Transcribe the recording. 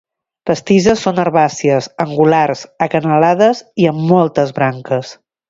Les tiges són herbàcies, angulars, acanalades i amb moltes branques.